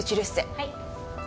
はい。